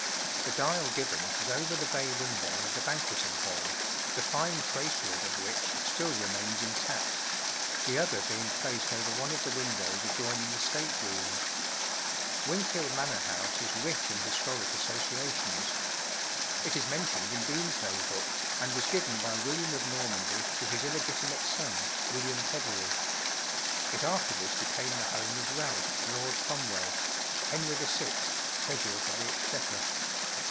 The dial given is over the bay window of the Banquet¬ ing Hall — the fine tracery of which still re¬ mains intact—the other being placed over one of the windows adjoining the State rooms, Wingfield Manor House is rich in historic associa¬ tions, It is men¬ tioned in Dooms¬ day Book, and was given by William of Nor¬ mandy to his ille¬ gitimate son, William Peverel, It afterwards be¬ came the home of Ralph, Lord Cromwell (Henry YL, Treasurer of the Exchequer).